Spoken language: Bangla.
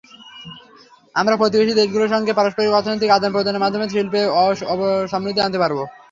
আমরা প্রতিবেশী দেশগুলোর সঙ্গে পারস্পরিক অর্থনৈতিক আদান-প্রদানের মাধ্যমে শিল্পে সমৃদ্ধি আনতে পারব।